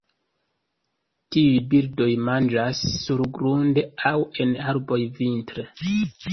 Tiuj birdoj manĝas surgrunde aŭ en arboj vintre.